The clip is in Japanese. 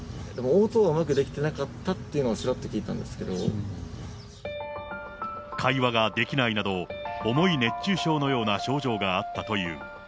応答がうまくできてなかったっていうのは、ちらっと聞いたん会話ができないなど、重い熱中症のような症状があったという。